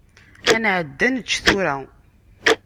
Ad nεeddi ad nečč tura.